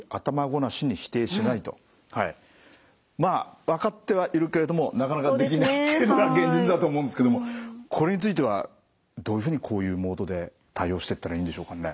まあ分かってはいるけれどもなかなかできないっていうのが現実だと思うんですけどもこれについてはどういうふうにこういうモードで対応してったらいいんでしょうかね？